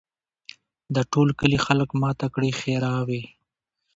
د ټول کلي خلک ماته کړي ښراوي